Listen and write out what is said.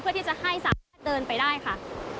เพื่อที่จะให้สามารถเดินไปได้ค่ะ